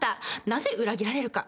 なぜ裏切られるか